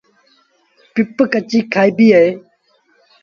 پپ ڪچيٚ کآئيٚبيٚ اهي۔